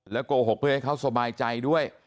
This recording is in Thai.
โกหกเพื่อให้เขาสบายใจด้วย